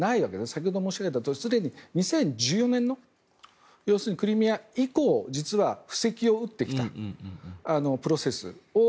先ほど申し上げたように２０１４年のクリミア以降実は布石を打ってきたプロセスを。